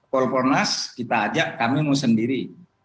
kompolnas kita ajak kami mau sendiri